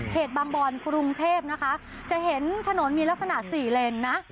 บางบอนกรุงเทพนะคะจะเห็นถนนมีลักษณะสี่เลนนะ